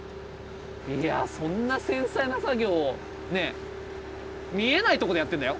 いやそんな繊細な作業をねえ見えないとこでやってんだよ。